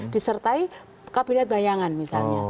disertai kabinet bayangan misalnya